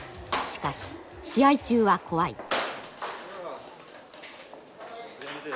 しかし試合中は怖い。